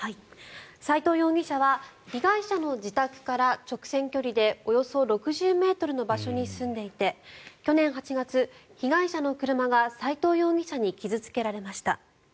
斎藤容疑者は被害者の自宅から直線距離でおよそ６０ｍの場所に住んでいて去年８月、被害者の車が斎藤容疑者に傷付けられました。